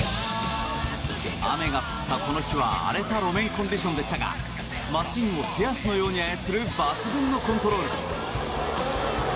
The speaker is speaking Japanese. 雨が降ったこの日は、荒れた路面コンディションでしたがマシンを手足のように操る抜群のコントロール。